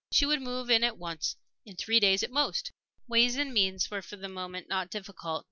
She would move in at once in three days at most. Ways and means were for the moment not difficult.